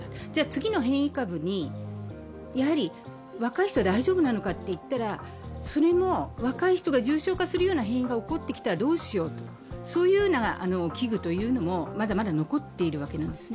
次の変異株に、やはり若い人は大丈夫なのかといったらそれも、若い人が重症化するような変異が起こってきたらどうしようというそういう危惧というのもまだまだ残っているわけです。